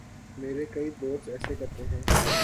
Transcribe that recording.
میرے کئی دوست ایسے کرتے ہیں۔